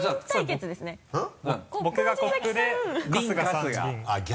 僕がコップで春日さんビン。